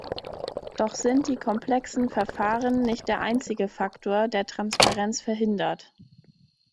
Doch sind die komplexen Verfahren nicht der einzige Faktor, der Transparenz verhindert.